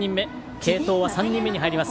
継投は３人目に入ります。